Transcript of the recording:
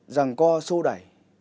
rằng co sô đẩy